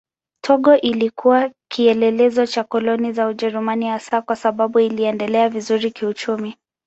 Togo ilikuwa kielelezo cha koloni za Ujerumani hasa kwa sababu iliendelea vizuri kiuchumi.